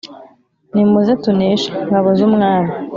nimuze tuneshe, ngabo z’ umwami